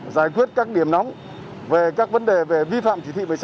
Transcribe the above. giải quyết các điểm nóng về các vấn đề về vi phạm chỉ thị một mươi sáu